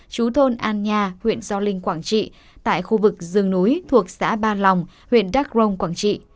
chú thôn an nha huyện gio linh quảng trị tại khu vực rừng núi thuộc xã ba lòng huyện đắc rông quảng trị